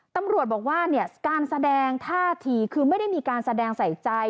ตำรวจบอกว่าเนี่ยการแสดงท่าทีคือไม่ได้มีการแสดงใส่ใจ